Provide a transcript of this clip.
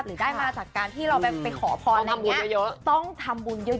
หรือได้มาจากการที่เราไปขอพรต้องทำบุญเยอะ